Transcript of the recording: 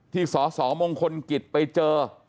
ที่สมงคลกิตไปเจอ